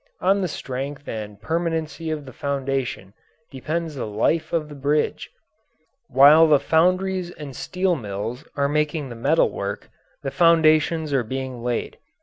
On the strength and permanency of the foundation depends the life of the bridge. While the foundries and steel mills are making the metal work the foundations are being laid.